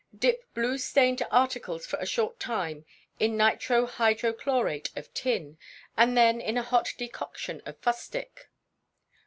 Dip blue stained articles for a short time in nitro hydrochlorate of tin, and then in a hot decoction of fustic.